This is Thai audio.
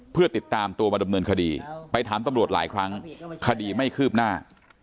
เพื่อติดตามตัวมาดำเนินคดีไปถามตำรวจหลายครั้งคดีไม่คืบหน้า